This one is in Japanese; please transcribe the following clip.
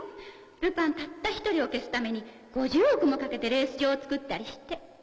ルパンたった１人を消すために５０億もかけてレース場をつくったりして。